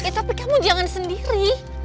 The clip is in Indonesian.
tapi kamu jangan sendiri